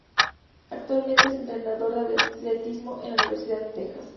Actualmente es entrenador de atletismo en la Universidad de Texas.